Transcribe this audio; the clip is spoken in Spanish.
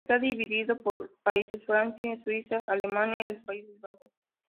Está dividido por países: Francia, Suiza, Alemania y los Países Bajos.